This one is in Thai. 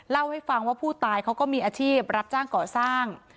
เล่าให้ฟังว่าผู้ตายเขาก็มีอาชีพรับจ้างก่อสร้าง